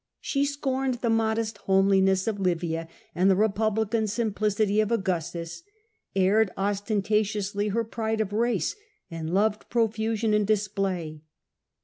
She scorned the modest homeliness of Livia and the republican simplicity of Augustus, aired ostenta tiously her pride of race, and loved profusion and display.